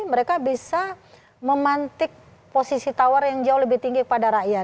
mereka bisa memantik posisi tawar yang jauh lebih tinggi kepada rakyat